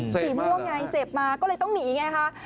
สีม่วงไงเสพมาก็เลยต้องหนีไงคะ